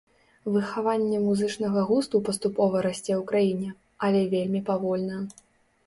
Выхаванне музычнага густу паступова расце ў краіне, але вельмі павольна.